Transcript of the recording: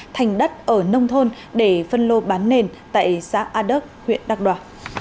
thành đất ở nông thôn để phân lô bán nền tại xã a đức huyện đắk đoa